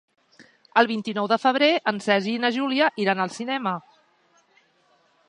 El vint-i-nou de febrer en Sergi i na Júlia iran al cinema.